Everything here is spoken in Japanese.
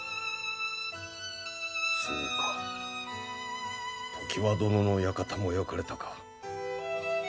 そうか常磐殿の館も焼かれたか。